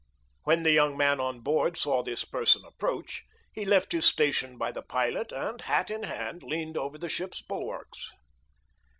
When the young man on board saw this person approach, he left his station by the pilot, and, hat in hand, leaned over the ship's bulwarks.